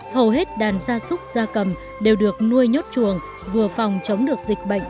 hầu hết đàn gia súc gia cầm đều được nuôi nhốt chuồng vừa phòng chống được dịch bệnh